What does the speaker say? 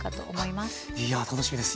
いや楽しみです。